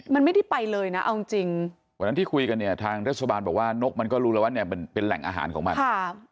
มันไม่ได้ไปเลยนะเอาจริงวันนั้นที่คุยกันเนี่ยทางเทศบาลบอกว่านกมันก็รู้แล้วว่าเนี่ยมันเป็นแหล่งอาหารของมัน